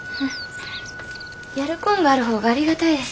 やるこんがある方がありがたいです。